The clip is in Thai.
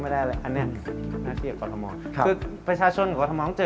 ไม่ได้เลยอันเนี้ยหน้าที่กับกรทมคือประชาชนกับกรทมต้องเจอกัน